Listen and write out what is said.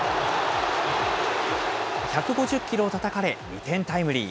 １５０キロをたたかれ、２点タイムリー。